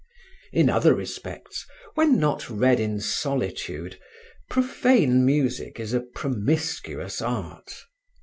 In other respects, when not read in solitude, profane music is a promiscuous art.